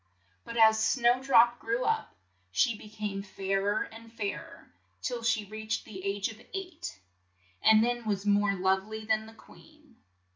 But as Snow drop grew up, she be came fair er and fair er till she reached the age of eight years, and then was more love ly than the queen.